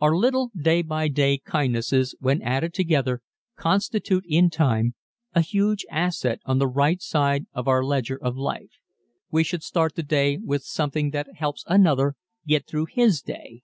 Our little day by day kindnesses when added together constitute in time a huge asset on the right side of our ledger of life. We should start the day with something that helps another get through his day